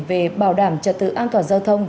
về bảo đảm trật tự an toàn giao thông